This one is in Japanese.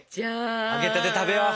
揚げたて食べよう。